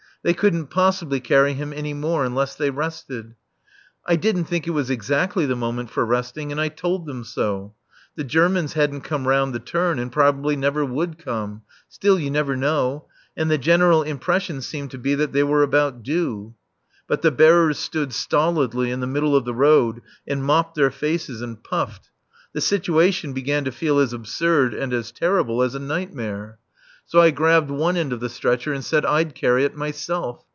They couldn't possibly carry him any more unless they rested. I didn't think it was exactly the moment for resting, and I told them so. The Germans hadn't come round the turn, and probably never would come; still, you never know; and the general impression seemed to be that they were about due. But the bearers stood stolidly in the middle of the road and mopped their faces and puffed. The situation began to feel as absurd and as terrible as a nightmare. So I grabbed one end of the stretcher and said I'd carry it myself.